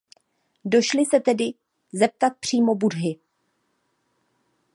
Došly se tedy zeptat přímo Buddhy.